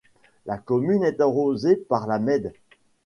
La commune est arrosée par la Mède.